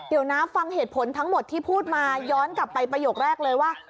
เดี๋ยวนะฟังเหตุผลทั้งหมดที่พูดมาย้อนกลับไปประโยคแรกเลยว่า